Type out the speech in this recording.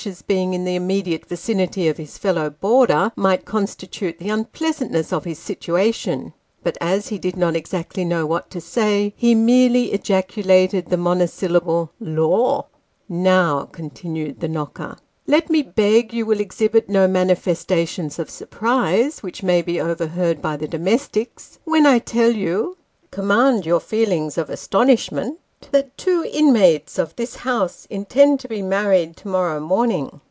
's being in the immediate vicinity of his fellow boarder might constitute the unpleasantness of his situation ; but as he did not exactly know what to say, he merely ejaculated the monosyllable " Lor !"" Now," continued the knocker, " let me beg you will exhibit no manifestations of surprise, which may be overheard by the domestics, when I tell you command your feelings of astonishment that two inmates of this house intend to be married to morrow morning."